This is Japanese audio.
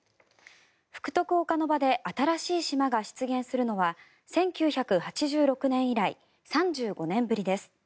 福徳岡ノ場で新しい島が出現するのは１９８６年以来３５年ぶりです。